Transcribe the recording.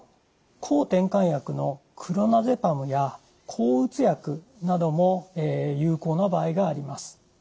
抗てんかん薬のクロナゼパムや抗うつ薬なども有効な場合があります。